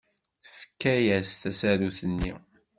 Tefka-as tasarut-nni.